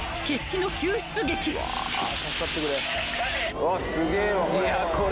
うわすげえわこれ。